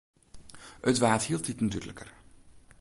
It waard hieltiten dúdliker.